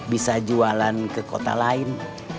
bisa jualan ke kota lain